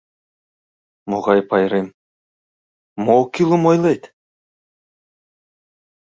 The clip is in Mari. — Могай пайрем... мо оккӱлым ойлет?